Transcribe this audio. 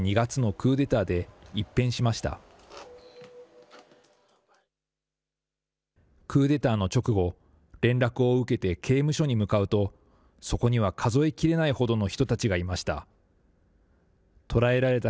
クーデターの直後、連絡を受けて刑務所に向かうと、そこには数えきれないほどの人たちがいました。